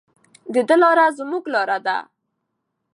د ده لاره زموږ لاره ده.